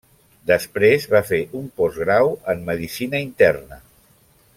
Després va fer un postgrau en medicina interna.